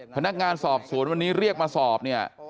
พนักงานสอบสวนวันนี้เรียกมาสอบเนี่ย